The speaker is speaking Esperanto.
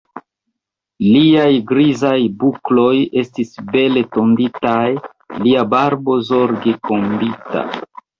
Liaj grizaj bukloj estis bele tonditaj, lia barbo zorge kombita.